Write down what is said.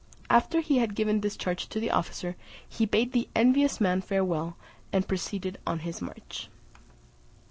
After he had given this charge to the officer, he bade the envious man farewell, and proceeded on his march.